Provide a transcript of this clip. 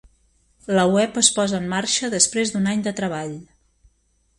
La web es posa en marxa després d'un any de treball